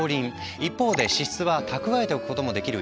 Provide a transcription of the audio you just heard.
一方で脂質は蓄えておくこともできるいわばバッテリー。